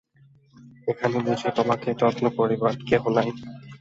এখানে বুঝি তোমাকে যত্ন করিবার কেহ নাই।